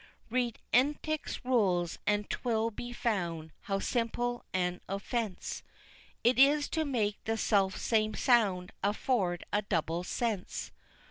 Read Entick's rules, and 'twill be found, how simple an offence It is to make the self same sound afford a double sense.